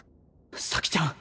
咲ちゃん！